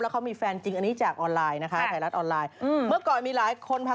แต่มีคนไปบอกว่าอ๋อเปิดมาว่ามีแฟนแล้ว